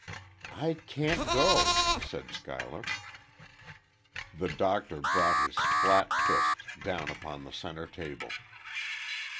"I can't go," said Schuyler. The doctor brought his flat fist down upon the center table.